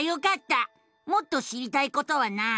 もっと知りたいことはない？